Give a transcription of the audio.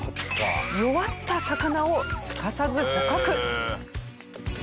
弱った魚をすかさず捕獲。